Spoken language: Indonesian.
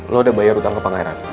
lo udah bayar hutang ke pengairan